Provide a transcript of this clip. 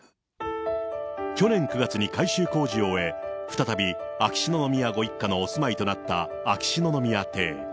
去年９月に改修工事を終え、再び秋篠宮ご一家のお住まいとなった秋篠宮邸。